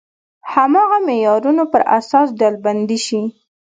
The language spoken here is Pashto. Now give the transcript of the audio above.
هماغه معیارونو پر اساس ډلبندي شي.